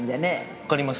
分かります？